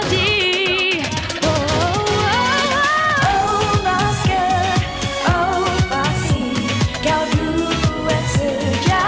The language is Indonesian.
terima kasih atas perhatian saya